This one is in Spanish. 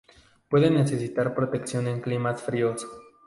Puede necesitar protección en climas fríos.